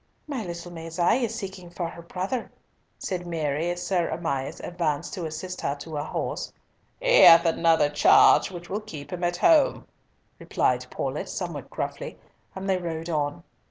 "My little maid's eye is seeking for her brother," said Mary, as Sir Amias advanced to assist her to her horse. "He hath another charge which will keep him at home," replied Paulett, somewhat gruffly, and they rode on.